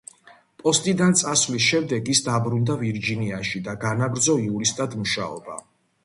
პოსტიდან წასვლის შემდეგ ის დაბრუნდა ვირჯინიაში და განაგრძო იურისტად მუშაობა.